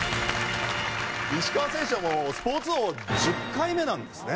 石川選手はもう『スポーツ王』１０回目なんですね。